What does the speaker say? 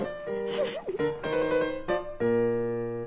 フフフ。